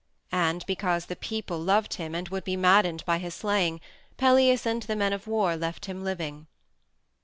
And because the people loved him and would be maddened by his slaying, Pelias and the men of war left him living.